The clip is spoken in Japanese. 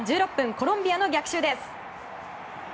コロンビアの逆襲です。